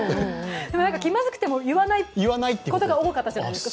でも、気まずくても言わないことが多かったじゃないですか。